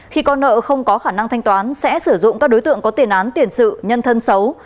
khi con nợ không có khả năng thanh toán sẽ sử dụng các đối tượng có tiền án tiền sự nhân thân xấu